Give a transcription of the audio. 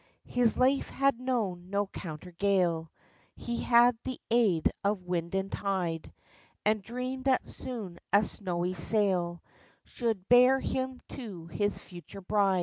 His life had knowm no counter gale, He had the aid of wind and tide, And dreamed that soon a snowy sail Should bear him to his future bride.